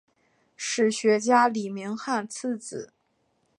史学家李铭汉次子。